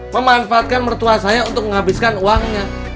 memanfaatkan mertua saya untuk menghabiskan uangnya